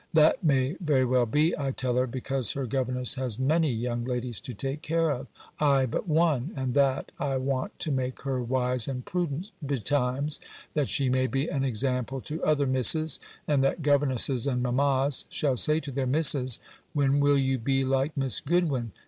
That may very well be, I tell her, because her governess has many young ladies to take care of: I but one; and that I want to make her wise and prudent betimes, that she may be an example to other Misses; and that governesses and mammas shall say to their Misses, "When will you be like Miss Goodwin?